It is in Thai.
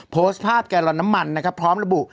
โพสต์ภาพแกลลอนน้ำมันนะครับพร้อมระบุ